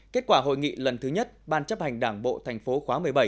kết quả hội nghị lần thứ nhất ban chấp hành đảng bộ thành phố khóa một mươi bảy